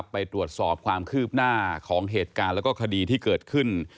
ไปตรวจสอบความคืบหน้าของเหตุการณ์แล้วก็คดีที่เกิดขึ้น